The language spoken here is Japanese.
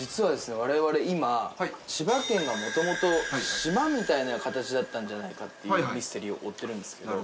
我々今千葉県が元々島みたいな形だったんじゃないかっていうミステリーを追ってるんですけど。